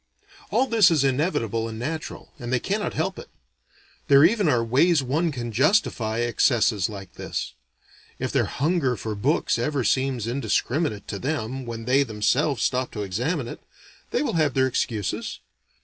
All this is inevitable and natural, and they cannot help it. There even are ways one can justify excesses like this. If their hunger for books ever seems indiscriminate to them when they themselves stop to examine it, they will have their excuses.